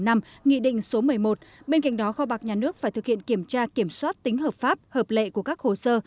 nghị định số một mươi một bên cạnh đó kho bạc nhà nước phải thực hiện kiểm tra kiểm soát tính hợp pháp hợp lệ của các hồ sơ